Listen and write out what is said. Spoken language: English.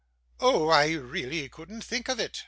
'Oh! I really couldn't think of it!